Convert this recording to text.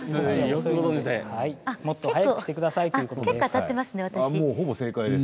もっと早くしてくださいということです。